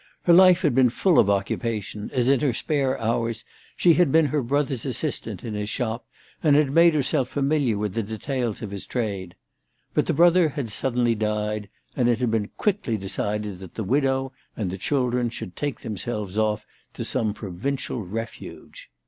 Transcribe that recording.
Her life had been full of occupation, as in her spare hours she had been her brother's assistant in his shop, and had made herself familiar with the details of his trade. But the brother had suddenly died, and it had been quickly decided that the widow and the children should take them selves oif to some provincial refuge.